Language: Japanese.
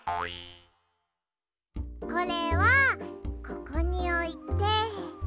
これはここにおいて。